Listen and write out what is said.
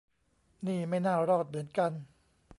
นี่ไม่น่ารอดเหมือนกัน